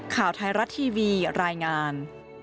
ข่าวไทยรัฐทีวีรายงาน